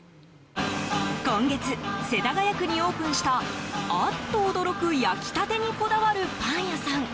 今月、世田谷区にオープンしたアッと驚く焼きたてにこだわるパン屋さん